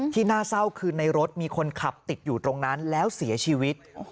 น่าเศร้าคือในรถมีคนขับติดอยู่ตรงนั้นแล้วเสียชีวิต